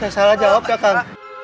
salah jawab ya kan